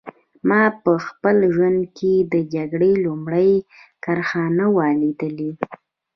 ما په خپل ژوند کې د جګړې لومړۍ کرښه نه وه لیدلې